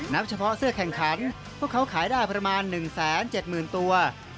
เฉพาะเสื้อแข่งขันพวกเขาขายได้ประมาณ๑๗๐๐๐ตัว